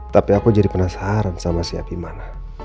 tapi aku jadi penasaran sama si abimana